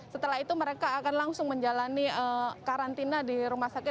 setelah itu mereka akan langsung menjalani karantina di rumah sakit